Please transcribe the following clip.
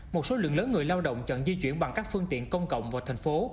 một số lượng lớn người lao động chọn di chuyển bằng các phương tiện công cộng vào thành phố